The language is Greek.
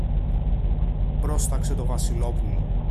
πρόσταξε το Βασιλόπουλο.